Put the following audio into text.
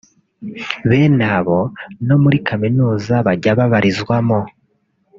Bene abo no muri kaminuza bajya babarizwamo